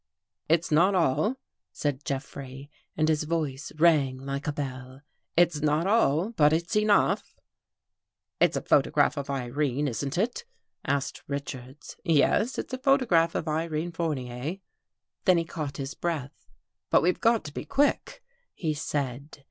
" It's not all," said Jeffrey, and his voice rang like a bell. " It's not all, but it's enough !"" It's a photograph of Irene, isn't it? " asked Richards. "Yes. It's a photograph of Irene Fournier." Then he caught his breath. " But we've got to be quick," he said.